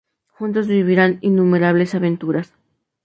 Juntos vivirán innumerables aventuras.